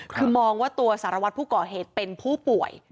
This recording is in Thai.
คือมองว่าตัวสารวัตรผู้ก่อเหตุเป็นผู้ป่วย